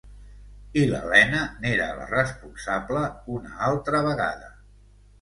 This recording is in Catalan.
I l'Elena n'era la responsable, una altra vegada.